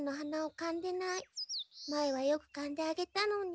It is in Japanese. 前はよくかんであげたのに。